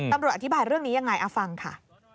ตำรวจอธิบายเรื่องนี้ยังไงเอาฟังค่ะ